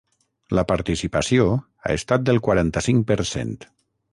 La participació ha estat del quaranta-cinc per cent.